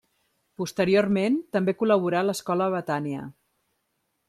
Posteriorment també col·laborà a l'Escola Betània.